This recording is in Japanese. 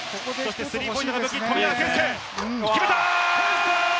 スリーポイント、富永啓生、決めた！